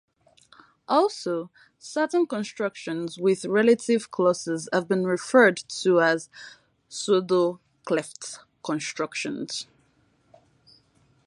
Also, certain constructions with relative clauses have been referred to as "pseudo-cleft" constructions.